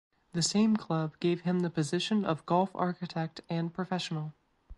The same club gave him the position of Golf Architect and Professional.